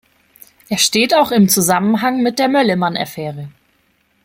Er steht auch im Zusammenhang mit der „Möllemann-Affäre“.